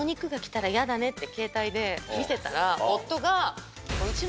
ってケータイで見せたら夫が。